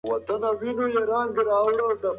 نورې کیسې یې هم طرحه کړې.